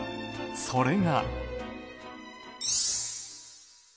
それが。